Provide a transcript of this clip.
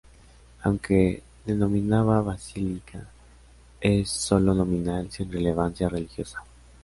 Aunque denominada basílica, es solo nominal, sin relevancia religiosa.